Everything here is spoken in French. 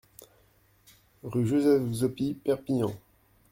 Rue Joseph Xaupi, Perpignan